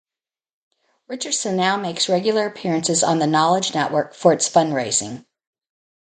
Richardson now makes regular appearances on the Knowledge Network for its fundraising.